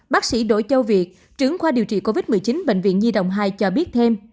bác sĩ đỗ châu việt trưởng khoa điều trị covid một mươi chín bệnh viện nhi đồng hai cho biết thêm